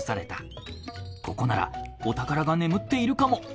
ここならお宝が眠っているかも！